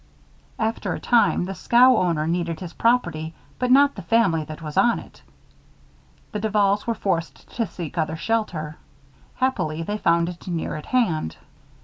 After a time, the scow owner needed his property but not the family that was on it. The Duvals were forced to seek other shelter. Happily, they found it near at hand.